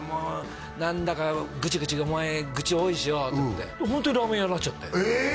「何だかグチグチお前愚痴多いしよ」っつってホントにラーメン屋になっちゃってええ！